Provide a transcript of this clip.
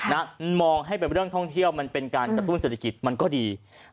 นะคะมองให้เป็นเรื่องท่องเที่ยวมันเป็นการกระทุ่มศุลคิดมันก็ดี